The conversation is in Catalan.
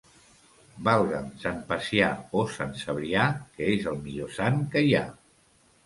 Valga'm Sant Pacià o Sant Cebrià, que és el millor sant que hi ha.